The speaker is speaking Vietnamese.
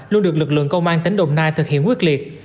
luôn được lực lượng công an tỉnh đồng nai thực hiện quyết liệt